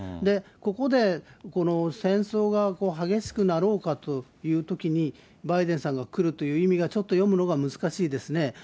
ここでこの戦争が激しくなろうかというときに、バイデンさんが来るという意味がちょっと読むのが難しいですね。